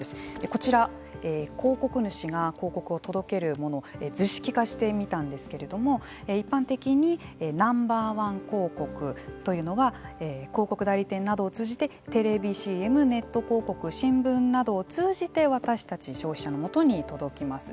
こちら広告主が広告を届けるもの図式化してみたんですけれども一般的にＮｏ．１広告というのは広告代理店などを通じてテレビＣＭネット広告、新聞などを通じて私たち消費者の元に届きます。